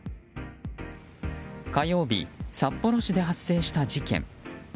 火曜日、札幌市で発生した事件。